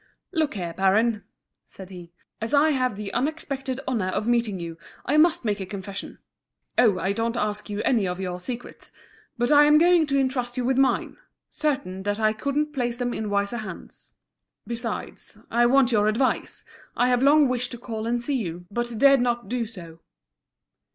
"Look here, baron," said he, "as I have the unexpected honor of meeting you, I must make a confession. Oh, I don't ask you any or your secrets, but I am going to entrust you with mine, certain that I couldn't place them in wiser hands. Besides. I want your advice. I have long wished to call and see you, but dared not do so."